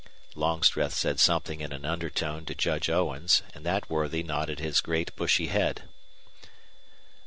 Longstreth said something in an undertone to Judge Owens, and that worthy nodded his great bushy head.